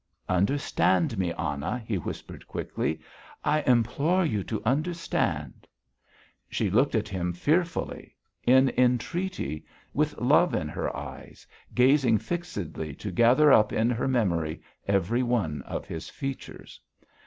"Understand me, Anna," he whispered quickly. "I implore you to understand...." She looked at him fearfully, in entreaty, with love in her eyes, gazing fixedly to gather up in her memory every one of his features.